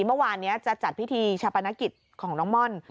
เมื่อวานนี้จะจัดพิธีชาปนกิจของน้องม่อน